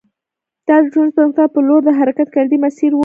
دا د ټولنیز پرمختګ په لور د حرکت کلیدي مسیر و